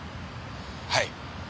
はい。